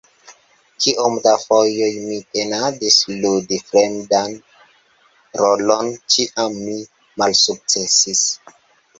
Kiom da fojoj mi penadis ludi fremdan rolon, ĉiam mi malsukcesis.